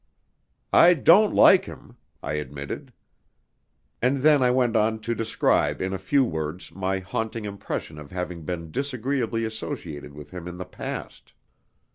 "I don't like him," I admitted. And then I went on to describe in a few words my haunting impression of having been disagreeably associated with him in the past.